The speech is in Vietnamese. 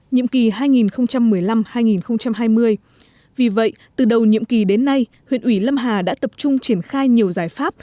nhiệm kỳ hai nghìn một mươi năm hai nghìn hai mươi vì vậy từ đầu nhiệm kỳ đến nay huyện ủy lâm hà đã tập trung triển khai nhiều giải pháp